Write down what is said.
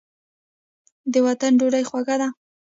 د وطن ډوډۍ خوږه ده.